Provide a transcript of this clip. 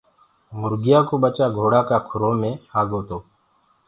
مرگيآ ڪو ٻچآ گھوڙآ ڪآ کُرو مي آگو تو۔